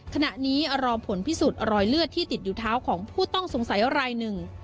ขณะนี้รอผลพิสูจน์รอยเลือดที่ติดอยู่เท้าของผู้ต้องสงสัยรายหนึ่ง